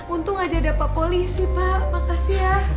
untung aja dapet polisi pak makasih ya